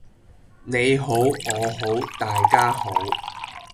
你好我好大家好